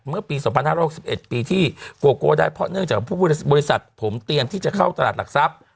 เมื่อปี๒๕๖๑ปีที่โกโก้ได้เพราะเนื่องจากบริษัทผมเตรียมที่จะเข้าตลาดหลักทรัพย์